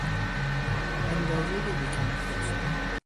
اندازهی بیکم و کاست